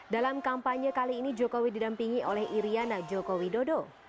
dalam kampanye kali ini jokowi didampingi oleh iriana jokowi dodo